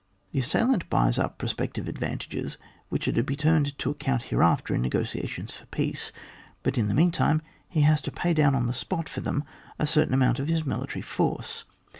The assailant buys up pro spective advantages which are to be turned to account hereafter in negotia tions for peace ; but, in the meantime, he has to pay down on the spot for them a certain amoimt of his military force.